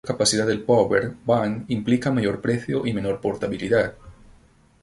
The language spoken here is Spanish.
A mayor capacidad del power bank implica mayor precio y menor portabilidad.